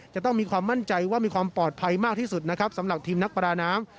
จะต้องมีความมั่นใจว่ามีความปลอดภัยมากที่สุดนะครับสำหรับทีมนักประดาน้ำ